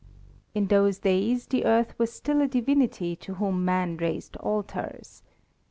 In those days the earth was still a divinity to whom man raised altars.